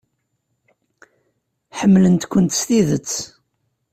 Ḥemmlen-kent s tidet.